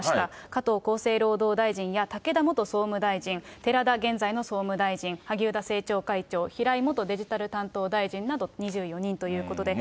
加藤厚生労働大臣や武田元総務大臣、寺田現在の総務大臣、萩生田政調会長、平井元デジタル担当大臣など、２４人ということで。